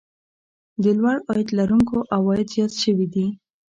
د لوړ عاید لرونکو عوايد زیات شوي دي